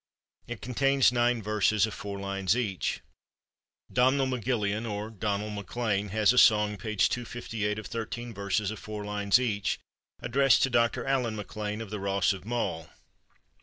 It contains nine verses of four lines each. Domhnull MacGilleain, or Donal MacLean, has a song (p. 258) of thirteen verses of four lines each, addressed to Dr. Allan MacLean of the Rons of Mull.